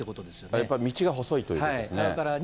やっぱり道が細いということですね。